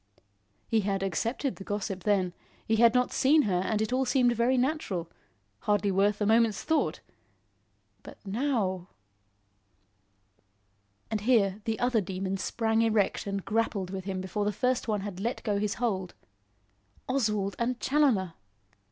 He had accepted the gossip then; he had not seen her and it all seemed very natural; hardly worth a moment's thought. But now! And here, the other Demon sprang erect and grappled with him before the first one had let go his hold. Oswald and Challoner!